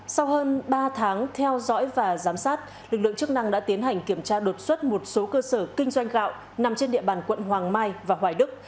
sau hơn ba tháng theo dõi và giám sát lực lượng chức năng đã tiến hành kiểm tra đột xuất một số cơ sở kinh doanh gạo nằm trên địa bàn quận hoàng mai và hoài đức